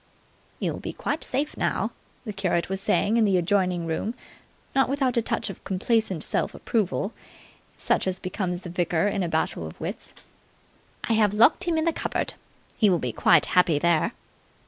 "You'll be quite safe now," the curate was saying in the adjoining room, not without a touch of complacent self approval such as becomes the victor in a battle of wits. "I have locked him in the cupboard. He will be quite happy there."